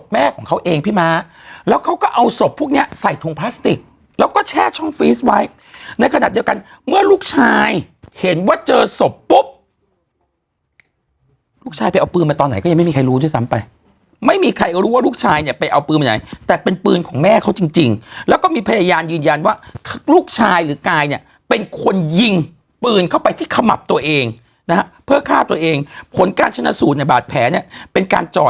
แม่ของเขาเองพี่ม้าแล้วเขาก็เอาศพพวกเนี้ยใส่ถุงพลาสติกแล้วก็แช่ช่องในขณะเดียวกันเมื่อลูกชายเห็นว่าเจอศพปุ๊บลูกชายไปเอาปืนมาตอนไหนก็ยังไม่มีใครรู้ด้วยซ้ำไปไม่มีใครรู้ว่าลูกชายเนี้ยไปเอาปืนมาไหนแต่เป็นปืนของแม่เขาจริงจริงแล้วก็มีพยายามยืนยันว่าลูกชายหรือกายเนี้ยเป็นคนยิงปืน